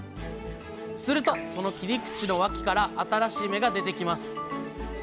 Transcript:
するとその切り口の脇から新しい芽が出てきます。